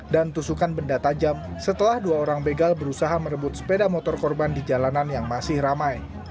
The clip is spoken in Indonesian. tusukan benda tajam setelah dua orang begal berusaha merebut sepeda motor korban di jalanan yang masih ramai